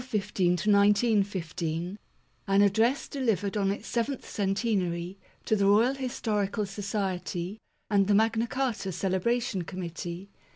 MAGNA CARTA (1215 1915) AN ADDRESS DELIVERED ON ITS SEVENTH CENTEN ARY, TO THE ROYAL HISTORICAL SOCIETY AND THE MAGNA CARTA CELEBRATION COMMITTEE.